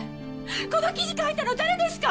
この記事書いたの誰ですか！？